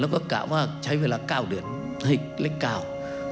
เป็นรูปนี้เล็กก้าว